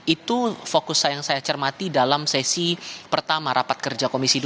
itu fokus yang saya cermati dalam sesi pertama rapat kerja komisi dua